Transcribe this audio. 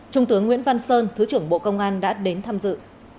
trung tướng nguyễn văn sơn thứ trưởng bộ công an đã đến tham dự